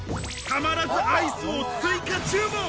たまらずアイスを追加注文。